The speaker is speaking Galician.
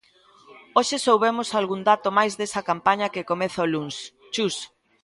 Hoxe soubemos algún dato máis desa campaña que comeza o luns, Chus.